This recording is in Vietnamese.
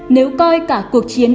nếu coi cả cuộc chiến